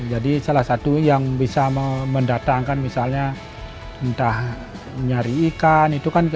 jadi salah satu yang bisa mendatangkan misalnya entah mencari ikan